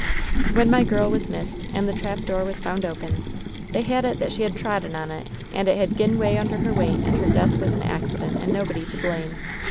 "When my girl was missed and the trapdoor was found open, they had it that she had trodden on it and it had gin way under her weight, and her death was a accident and nobody to blame.